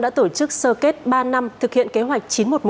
ba năm thực hiện kế hoạch chín trăm một mươi một